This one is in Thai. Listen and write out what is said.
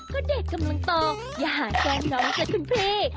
ก็เด็กกำลังโตอย่าหาแฟนน้องจ๊ะคุณพี่